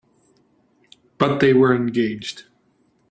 But they were engaged.